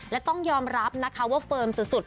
และต้องยอมรับนะคะว่าเฟิร์มสุด